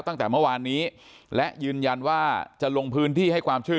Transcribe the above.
ตั้งแต่เมื่อวานนี้และยืนยันว่าจะลงพื้นที่ให้ความช่วย